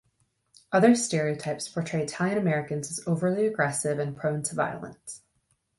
Other stereotypes portray Italian Americans as overly aggressive and prone to violence.